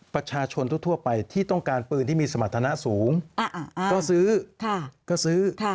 ประชาชนทั่วไปที่ต้องการปืนที่มีสมรรถนะสูงก็ซื้อก็ซื้อ